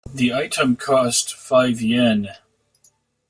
The item costs five Yen.